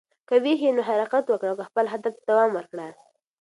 که ویښ یې، نو حرکت وکړه او خپلې هدف ته دوام ورکړه.